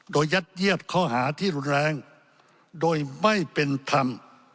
โดยยัดเยียดข้อหาที่รุนแรงโดยไม่เป็นธรรม